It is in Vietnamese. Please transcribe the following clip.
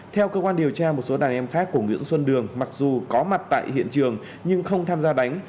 theo cơ quan điều tra một số đàn em khác của nguyễn xuân đường mặc dù có mặt tại hiện trường nhưng không tham gia đánh